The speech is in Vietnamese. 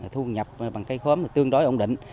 thu nhập bằng cây khóm tương đối ổn định